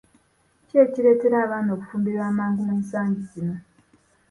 Ki ekireetera abaana okufumbirwa amangu ensangi zino?